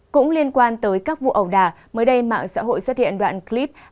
đối với các vụ ẩu đà mới đây mạng xã hội xuất hiện đoạn clip